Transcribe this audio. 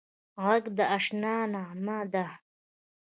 غږ د اشنا نغمه ده